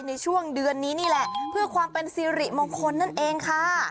ในช่วงเดือนนี้นี่แหละเพื่อความเป็นสิริมงคลนั่นเองค่ะ